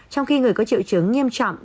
trong khi người có triệu chứng nghiêm trọng